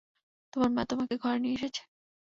তোমার মা তোমাকে ঘরে নিয়ে এসেছে?